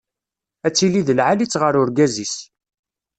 Ad tili d lεali-tt ɣer urgaz-is.